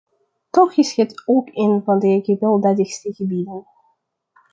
Toch is het ook een van de gewelddadigste gebieden.